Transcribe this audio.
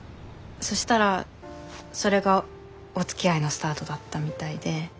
そしたらそれがおつきあいのスタートだったみたいで。